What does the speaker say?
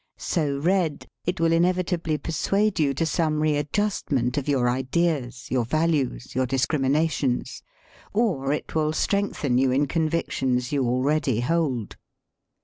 So read, it will inevitably persuade you to some readjustment of your ideas, your values, your discriminations; or it will strengthen you in convictions you already hold.